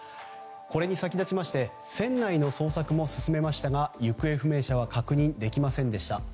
これに先立ちまして船内の捜索も進めましたが行方不明者は確認できませんでした。